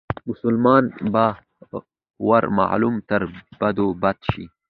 مسلمان به ور معلوم تر بدو بد شي